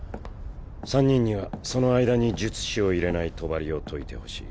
三人にはその間に術師を入れない帳を解いてほしい。